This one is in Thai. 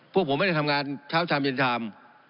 พวกผมไม่ได้ทำงานเช้าชามเย็นชาม